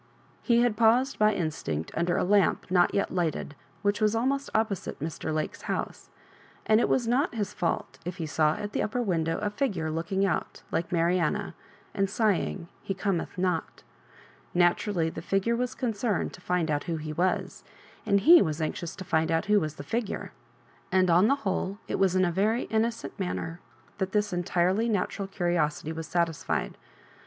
He had paused by in stinct under a lamp not yet lighted, which was almost opposite Mr. Lake's house; and it was not his &ult if he saw at the uppier window a figure looking out, like Marianna, and sighing, " He Cometh not" Naturally the figure was concerned to find out who he was, and he was anxious to find out who was the figure. And, on the whole, it was in a very innocent man ner that this entirely natural curiosity was satis fied.